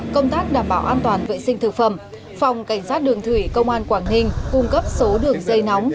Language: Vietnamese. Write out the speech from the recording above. công tác đảm bảo an toàn vệ sinh thực phẩm phòng cảnh sát đường thủy công an quảng ninh cung cấp số đường dây nóng